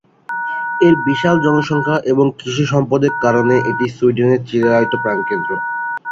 এর বিশাল জনসংখ্যা এবং কৃষি সম্পদের কারণে এটি সুইডেনের চিরায়ত প্রাণকেন্দ্র।